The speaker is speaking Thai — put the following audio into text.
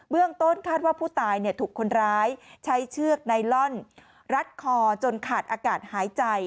เรื่องต้นคาดว่าผู้ตายถูกคนร้ายใช้เชือกไนลอนรัดคอจนขาดอากาศหายใจ